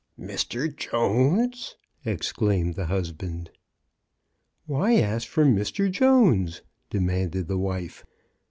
" Mr. Jones !" exclaimed the husband. Why ask for Mr. Jones?" demanded the wife.